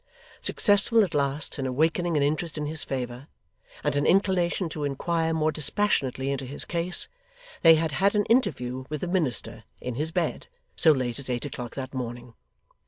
Successful, at last, in awakening an interest in his favour, and an inclination to inquire more dispassionately into his case, they had had an interview with the minister, in his bed, so late as eight o'clock that morning.